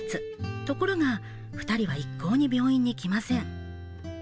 ところが２人は一向に病院に来ません。